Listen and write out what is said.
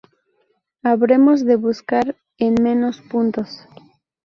Habremos de buscar en menos puntos.